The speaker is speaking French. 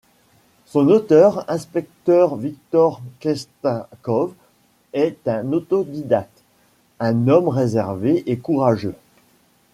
Son autre inspecteur Victor Chestakov est un autodidacte, un homme réservé et courageux.